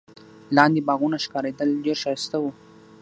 لاندي باغونه ښکارېدل، ډېر ښایسته وو.